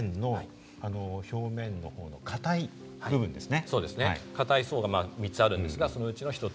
地面の表面の硬い部分ですね。